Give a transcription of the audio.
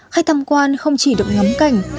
khách tham quan không chỉ được ngắm cảnh